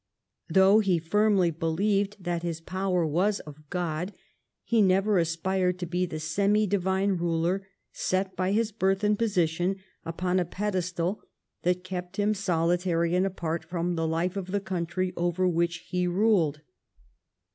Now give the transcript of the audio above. Though he firmly believed that his power was of God, he never aspired to be the semi divine ruler, set by his birth and position upon a pedestal that kept him solitary and apart from the life of the country over Avhich he ruled.